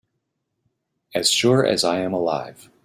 As sure as I am alive